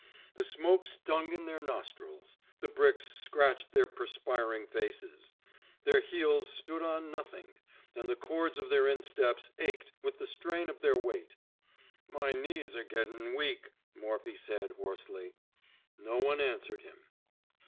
The smoke stung in their nostrils. The bricks scratched their per spiring faces. Their heels stood on nothing; and the cords of their insteps ached with the strain of their weight. My knees are gettin' weak,'* Morphy said, hoarsely. No one answered him.